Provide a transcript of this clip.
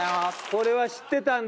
これは知ってたんだ。